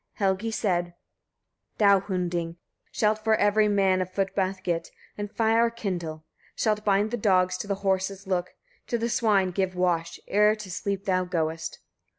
Helgi said: 37. Thou, Hunding! shalt for every man a foot bath get, and fire kindle; shalt bind the dogs, to the horses look, to the swine give wash, ere to sleep thou goest.